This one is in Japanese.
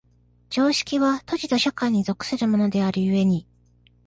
常識は閉じた社会に属するものである故に、